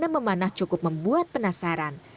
memanah cukup membuat penasaran